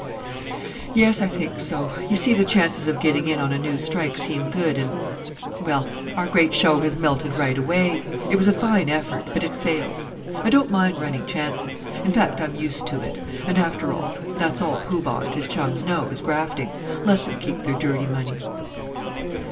"Yes, I think so; you see the chances of getting in on a new strike seem good and well, our great show has melted right away. It was a fine effort, but it failed. I don't mind running chances in fact, I'm used to it; and, after all, that's all Poo Bah and his chums know, is grafting. Let them keep their dirty money."